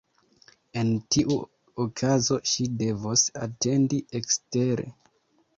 En tiu okazo ŝi devos atendi ekstere.